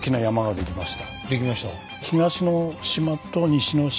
できました。